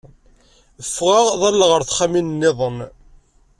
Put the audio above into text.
Ffɣeɣ ḍalleɣ ɣer texxamin nniḍen.